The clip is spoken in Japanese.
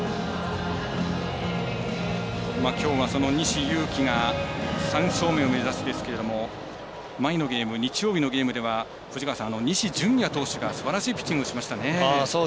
きょうがその西勇輝が３勝目を目指しますけども前のゲーム、日曜日のゲームでは西純矢投手がすばらしいピッチングしましたね。